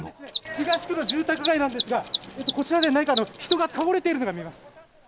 東区の住宅街なんですが、こちらで何か人が倒れているのが見えます。